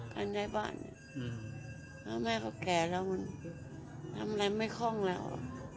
การใช้บ้านเพราะแม่เขาแขกแล้วมันทำอะไรไม่ค่องแล้ว